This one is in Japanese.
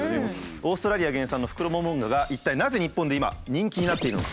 オーストラリア原産のフクロモモンガが一体なぜ日本で今人気になっているのか。